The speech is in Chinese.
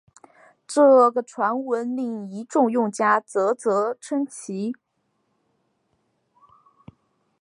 这个传闻令一众用家啧啧称奇！